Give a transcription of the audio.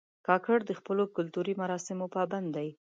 کاکړ د خپلو کلتوري مراسمو پابند دي.